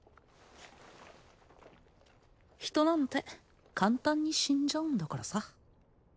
ヒトなんてカンタンに死んじゃうんだからさ